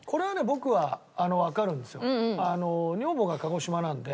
僕はわかるんですよ。